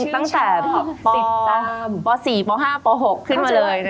ตั้งแต่ป๔ป๕ป๖ขึ้นมาเลย